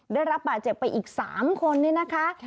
ได้รับบาดเจ็บไปอีก๓คนนี่นะคะ